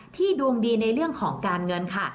ดวงดีในเรื่องของการเงินค่ะ